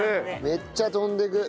めっちゃ飛んでく。